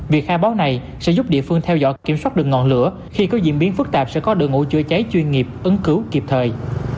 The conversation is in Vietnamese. việc khai báo này sẽ giúp địa phương theo dõi kiểm soát được ngọn lửa khi có diễn biến phức tạp sẽ có đội ngũ chữa cháy chuyên nghiệp ứng cứu kịp thời